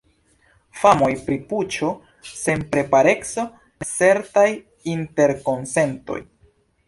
Famoj pri puĉo, senprepareco, necertaj interkonsentoj.